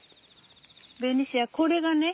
ベニシアこれがね